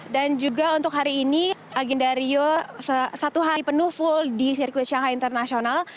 juga untuk hari ini agenda rio satu hari penuh full di sirkuit shanghai international